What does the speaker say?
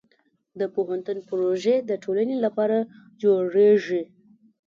د پوهنتون پروژې د ټولنې لپاره جوړېږي.